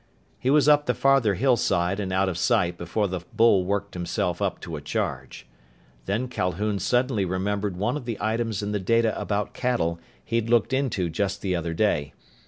He was up the farther hillside and out of sight before the bull worked himself up to a charge. Then Calhoun suddenly remembered one of the items in the data about cattle he'd looked into just the other day.